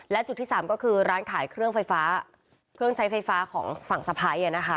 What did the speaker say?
และจุดที่สามก็คือร้านขายเครื่องใช้ไฟฟ้าของฝั่งสะพัยเนี่ยนะคะ